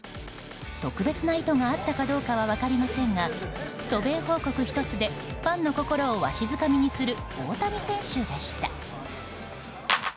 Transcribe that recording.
特別な意図があったかどうかは分かりませんが渡米報告１つでファンの心をわしづかみにする大谷選手でした。